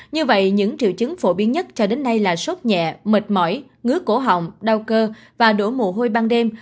như vậy những triệu chứng phổ biến nhất cho đến nay là sốt nhẹ mệt mỏi ngứa cổ họng đau cơ và đổ mồ hôi ban đêm